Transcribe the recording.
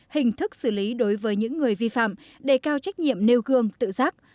hình thức xử lý đối với những người vi phạm đề cao trách nhiệm nêu gương tự giác